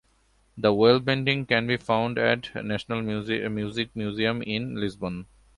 The oil painting can be found at the National Music Museum in Lisbon.